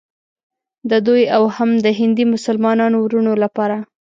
د دوی او هم د هندي مسلمانانو وروڼو لپاره.